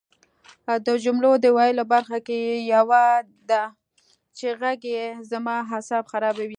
د جملو د ویلو برخه کې یوه ده چې غږ کې زما اعصاب خرابوي